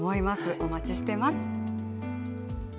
お待ちしています。